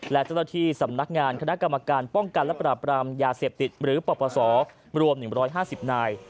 และเจ้าหน้าที่สำนักงานคณะกรรมการป้องกันและปราบรามยาเสพติดหรือปปศรวม๑๕๐นาย